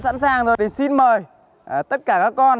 khẩn trương hơn